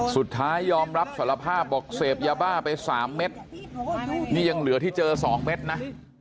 สุดท้ายยอมรับสารภาพบอกเสพยาบ้าไป๓เม็ดนี่ยังเหลือที่เจอ๒เม็ดนะ